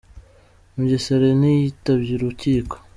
Mugesera ntiyitabye Urukiko